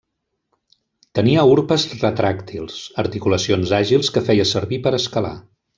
Tenia urpes retràctils, articulacions àgils que feia servir per escalar.